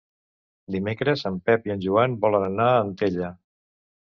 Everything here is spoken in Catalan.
Dimecres en Pep i en Joan volen anar a Antella.